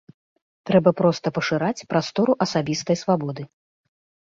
Трэба проста пашыраць прастору асабістай свабоды.